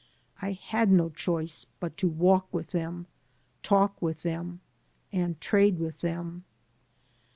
I had no choice but to walk with them, talk with them, and trade with them.